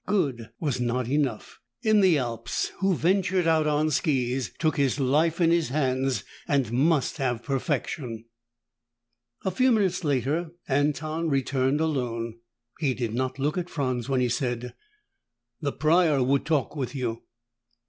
Good was not enough. In the Alps, who ventured out on skis took his life in his hands and must have perfection. A few minutes later, Anton returned alone. He did not look at Franz when he said, "The Prior would talk with you."